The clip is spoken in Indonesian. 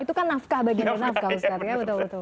itu kan nafkah bagiannya